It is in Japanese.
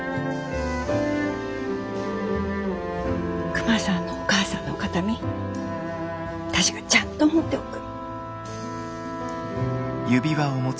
クマさんのお母さんの形見私がちゃんと持っておく。